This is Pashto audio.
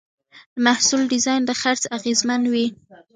د محصول ډیزاین د خرڅ اغېزمنوي.